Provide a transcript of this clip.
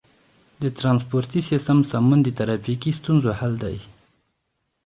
د ترانسپورتي سیستم سمون د ترافیکي ستونزو حل دی.